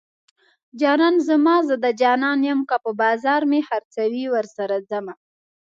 جانان زما زه د جانان يم که په بازار مې خرڅوي ورسره ځمه